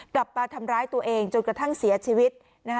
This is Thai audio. กลับมาทำร้ายตัวเองจนกระทั่งเสียชีวิต